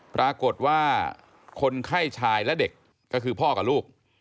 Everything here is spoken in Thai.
ปรากฏว่าคนไข้ชายและเด็กก็คือพ่อกับลูก